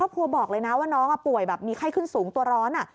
ครอบครัวบอกเลยนะว่าน้องอะป่วยแบบมีไข้ขึ้นสูงตัวร้อนอะ